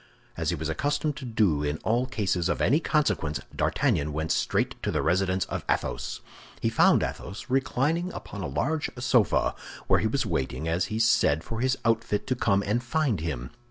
As he was accustomed to do in all cases of any consequence, D'Artagnan went straight to the residence of Athos. He found Athos reclining upon a large sofa, where he was waiting, as he said, for his outfit to come and find him.